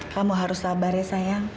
kamu harus sabar ya sayang